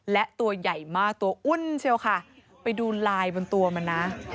และตัวใหญ่มากตัวอุ้นไปดูลายบนตัวมันนะ